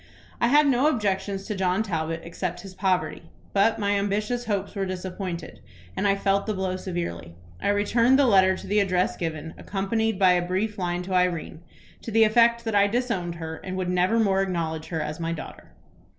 "I had no objections to John Talbot except his poverty; but my ambitious hopes were disappointed, and I felt the blow severely. I returned the letter to the address given, accompanied by a brief line to Irene, to the effect that I disowned her, and would never more acknowledge her as my daughter.